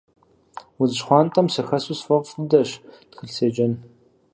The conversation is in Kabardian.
Удз щхъуантӏэм сыхэсу сфӏэфӏ дыдэщ тхылъ седжэн.